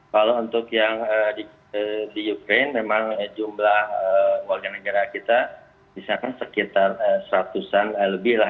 kalau untuk yang di ukraine memang jumlah warga negara kita misalkan sekitar seratusan lebih lah